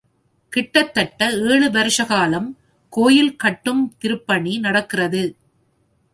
கிட்டத்தட்ட ஏழு வருஷகாலம் கோயில் கட்டும் திருப்பணி நடக்கிறது.